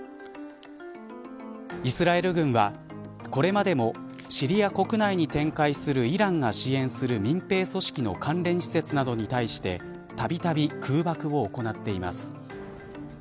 イスラエル軍はこれまでもシリア国内に展開するイランが支援する民兵組織の関連施設などに対してたびたび空爆を行っています。